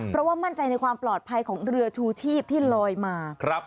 เพราะว่ามั่นใจในความปลอดภัยของเรือชูชีพที่ลอยมา